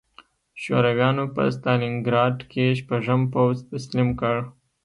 شورویانو په ستالینګراډ کې شپږم پوځ تسلیم کړ